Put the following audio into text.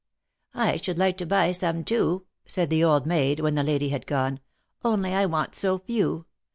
"I should like to buy some, too," said the old maid, when the lady had gone, "only I want so few.